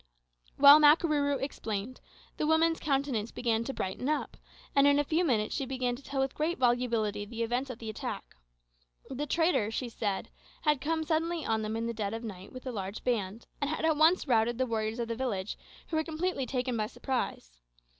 While Makarooroo explained, the woman's countenance seemed to brighten up, and in a few minutes she began to tell with great volubility the events of the attack. The trader, she said, had come suddenly on them in the dead of night with a large band, and had at once routed the warriors of the village, who were completely taken by surprise.